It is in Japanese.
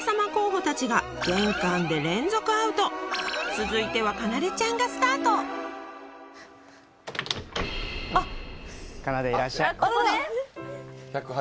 続いてはかなでちゃんがスタートあっあらららっあっ